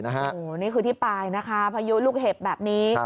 นี่คือที่ปลายพายุลูกเห็บแบบนี้